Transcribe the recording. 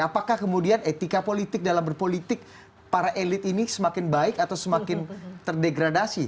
apakah kemudian etika politik dalam berpolitik para elit ini semakin baik atau semakin terdegradasi